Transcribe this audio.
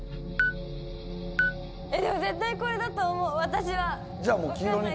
でも絶対これだと思う私は。